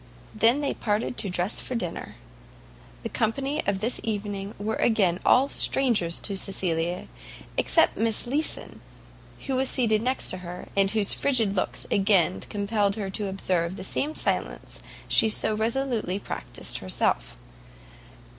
They then parted to dress for dinner. The company of this evening were again all strangers to Cecilia, except Miss Leeson, who was seated next to her, and whose frigid looks again compelled her to observe the same silence she so resolutely practised herself.